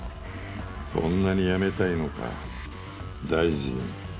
そんなに辞めたいのか大臣。